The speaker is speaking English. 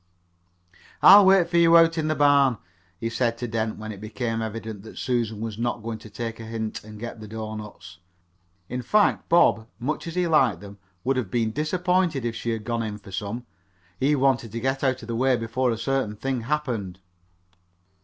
"I'll wait for you out in the barn," he said to Dent when it became evident that Susan was not going to take the hint and get the doughnuts. In fact, Bob, much as he liked them, would have been disappointed if she had gone in for some. He wanted to get out of the way before a certain thing happened.